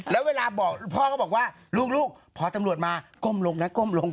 แล้วพ่อบอกว่าพอจำรวจมาก้มลงนะ